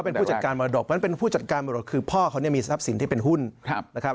เพราะฉะนั้นเป็นผู้จัดการมรดกคือพ่อเขามีสับสินที่เป็นหุ้นนะครับ